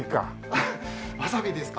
あっわさびですか？